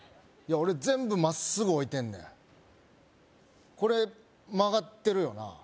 俺全部まっすぐ置いてんねんこれ曲がってるよな